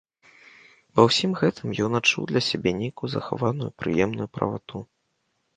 Ва ўсім гэтым ён адчуў для сябе нейкую захаваную прыемную правату.